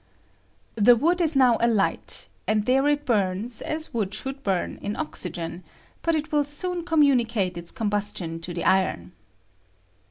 The wood is now I 1^^^ alight, and there it buma as wood should burn I I J. « in oxygen ; but it will soon communicate it3 combustion to the iron.